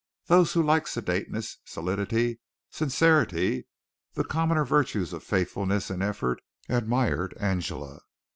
Those who liked sedateness, solidity, sincerity, the commoner virtues of faithfulness and effort, admired Angela.